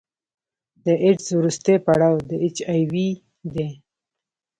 د ایډز وروستی پړاو د اچ آی وي دی.